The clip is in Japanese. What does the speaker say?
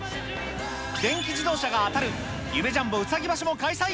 電気自動車が当たる、夢・ジャンボうさぎ場所も開催。